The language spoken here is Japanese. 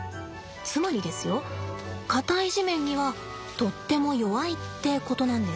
つまりですよ硬い地面にはとっても弱いってことなんです。